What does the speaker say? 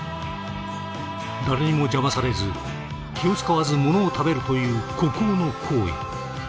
誰にも邪魔されず気を遣わずものを食べるという孤高の行為。